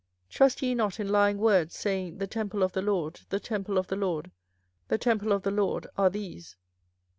24:007:004 Trust ye not in lying words, saying, The temple of the LORD, The temple of the LORD, The temple of the LORD, are these.